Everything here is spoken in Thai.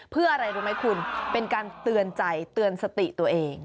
เพื่ออะไรรู้ไหมคุณเป็นการเตือนใจเตือนสติตัวเอง